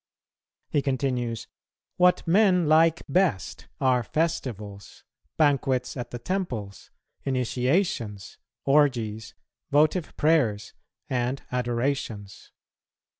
He continues, "What men like best are festivals, banquets at the temples, initiations, orgies, votive prayers, and adorations.